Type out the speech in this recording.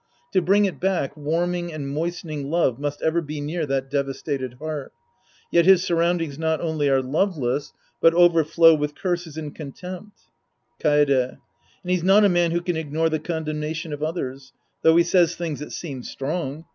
To bring it back, warming and moistening love must ever be near that devastated heart. Yet his sur roundings not only are loveless but overflow with curses and contempt. Kaede. And he's not a man who can ignore the condemnation of others. Though he says things that seem strong.